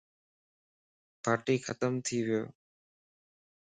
پاٽي ختم ٿي ويو.